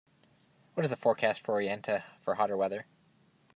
what is the forecast for Orienta for hotter weather